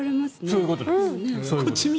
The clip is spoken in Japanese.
そういうことです。